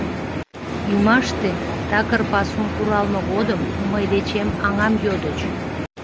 Ӱмаште, такыр пасум куралме годым, мый дечем аҥам йодыч.